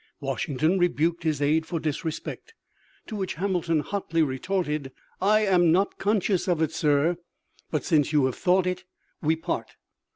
Washington rebuked his aide for disrespect, to which Hamilton hotly retorted, "I am not conscious of it, sir; but since you have thought it, we part."